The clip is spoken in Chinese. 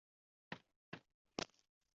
我出来找找